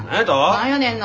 何やねんな。